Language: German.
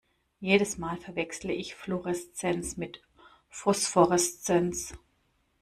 Jedes Mal verwechsle ich Fluoreszenz mit Phosphoreszenz.